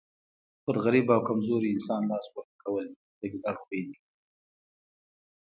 پر غریب او کمزوري انسان لاس پورته کول د ګیدړ خوی وو.